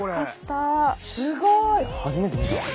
すごい！